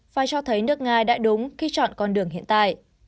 và cho thấy nước nga đã đúng khi chọn con đường hiện tại